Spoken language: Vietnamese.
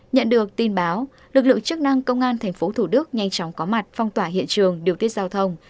nhận được tin báo lực lượng chức năng công an tp thủ đức nhanh chóng có mặt phong tỏa hiện trường điều tiết giao thông